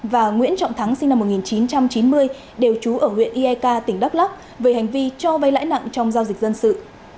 và nguyễn trọng thắng sinh năm một nghìn chín trăm chín mươi đều trú ở huyện eak tỉnh đắk lắc về hành vi cho vay lãi nặng trong giao dịch dân sự